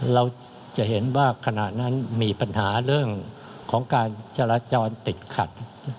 เราจะเห็นว่าขณะนั้นมีปัญหาเรื่องของการจราจรติดขัด